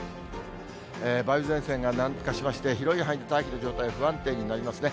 梅雨前線が南下しまして、広い範囲で大気の状態、不安定になりますね。